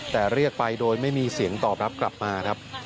แต่เรียกไปโดยไม่มีเสียงตอบรับกลับมาครับ